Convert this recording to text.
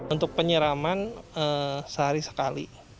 untuk penyiraman sehari sekali